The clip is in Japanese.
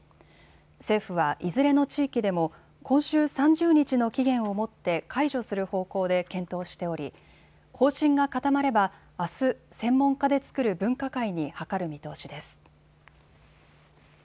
政府はいずれの地域でも今週３０日の期限をもって解除する方向で検討しており方針が固まればあす、専門家で作る分科会に諮る見通しです。